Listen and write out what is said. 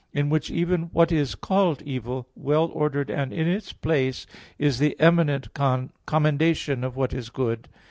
In which even what is called evil, well ordered and in its place, is the eminent commendation of what is good."